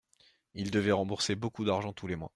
Il devait rembourser beaucoup d’argent tous les mois.